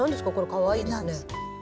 かわいいですね。